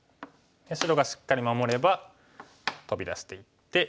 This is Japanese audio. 白がしっかり守ればトビ出していって。